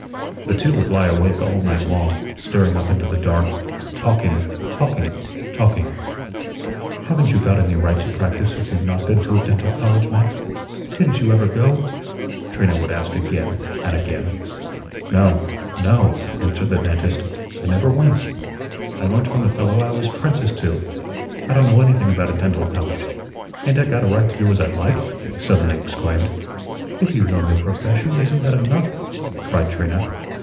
The two would lie awake all night long, staring up into the dark, talking, talking, talking. "Haven't you got any right to practise if you've not been to a dental college, Mac? Didn't you ever go?" Trina would ask again and again. "No, no," answered the dentist, "I never went. I learnt from the fellow I was apprenticed to. I don' know anything about a dental college. Ain't I got a right to do as I like?" he suddenly exclaimed. "If you know your profession, isn't that enough?" cried Trina.